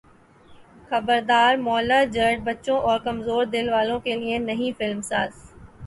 خبردار مولا جٹ بچوں اور کمزور دل والوں کے لیے نہیں فلم ساز